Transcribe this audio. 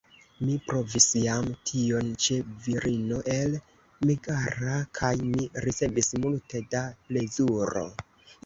Mi provis jam tion ĉe virino el Megara, kaj mi ricevis multe da plezuro.